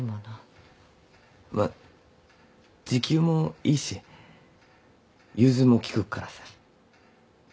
まあ時給もいいし融通も利くからさ。